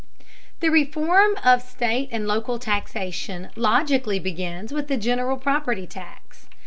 The reform of state and local taxation logically begins with the general property tax.